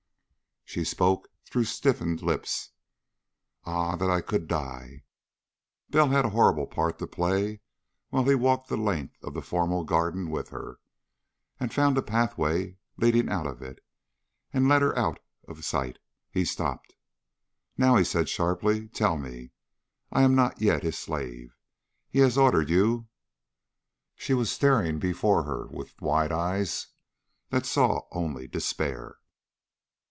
She spoke through stiffened lips. "Ah, that I could die!" Bell had a horrible part to play while he walked the length of the formal garden with her, and found a pathway leading out of it, and led her out of sight. He stopped. "Now," he said sharply, "tell me. I am not yet his slave. He has ordered you...." She was staring before her with wide eyes that saw only despair.